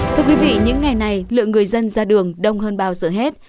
thưa quý vị những ngày này lượng người dân ra đường đông hơn bao giờ hết